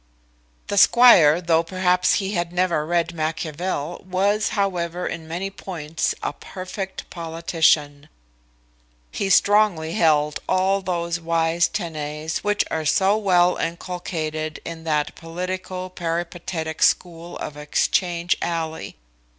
The squire, though perhaps he had never read Machiavel, was, however, in many points, a perfect politician. He strongly held all those wise tenets, which are so well inculcated in that Politico Peripatetic school of Exchange alley.